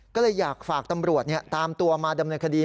ก็เลยอยากฝากตำรวจตามตัวมาดำเนินคดี